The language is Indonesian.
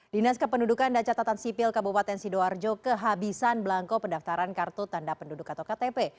dinas kependudukan dan catatan sipil kabupaten sidoarjo kehabisan belangko pendaftaran kartu tanda penduduk atau ktp